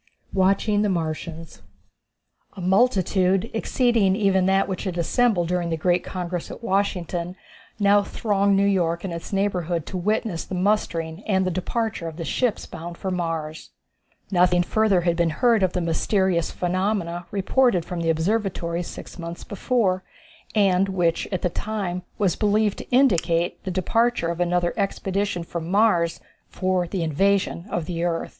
Watching the Martians. A multitude, exceeding even that which had assembled during the great congress at Washington, now thronged New York and its neighborhood to witness the mustering and the departure of the ships bound for Mars. Nothing further had been heard of the mysterious phenomenon reported from the observatories six months before, and which at the time was believed to indicate the departure of another expedition from Mars for the invasion of the earth.